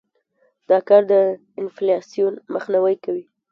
دا کار د انفلاسیون مخنیوى کوي.